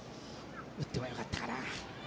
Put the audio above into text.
打ってもよかったかな。